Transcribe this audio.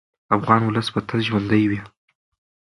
افغان ولس به تل ژوندی وي.